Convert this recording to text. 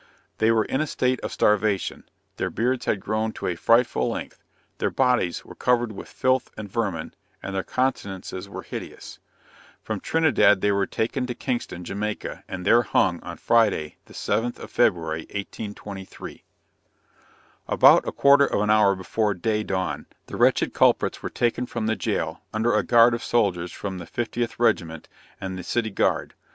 They were in a state of starvation; their beards had grown to a frightful length, their bodies, were covered with filth and vermin, and their countenances were hideous. From Trinidad they were taken to Kingston, Jamaica, and there hung on Friday, the 7th of February, 1823. About a quarter of an hour before day dawn, the wretched culprits were taken from the jail, under a guard of soldiers from the 50th regiment, and the City Guard.